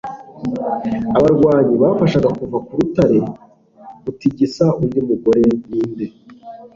abarwanyi bafashaga kuva ku rutare gutigisa undi mugore ninde